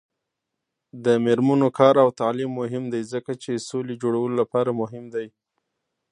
د میرمنو کار او تعلیم مهم دی ځکه چې سولې جوړولو لپاره مهم دی.